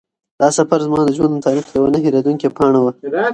دا سفر زما د ژوند د تاریخ یوه نه هېرېدونکې پاڼه وه.